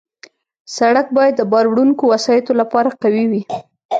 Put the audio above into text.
سړک باید د بار وړونکو وسایطو لپاره قوي وي.